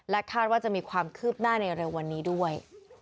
คาดว่าจะมีความคืบหน้าในเร็ววันนี้ด้วย